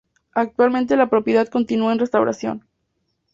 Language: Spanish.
Actualmente la propiedad continúa en restauración.